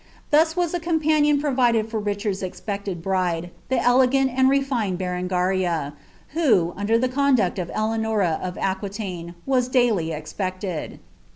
Thus was a companion provided for Richanl's expected bride, iht ele gant and refined Beren^ria, who, under the conduct of Eleanora at Aquitaine, wae daily expected.